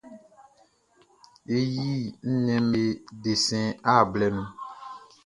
E yi nnɛnʼm be desɛn art blɛ nun.